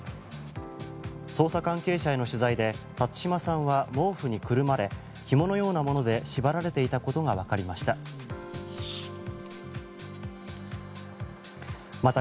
捜査関係者への取材で辰島さんは毛布にくるまれひものようなもので縛られていたことが分かりました。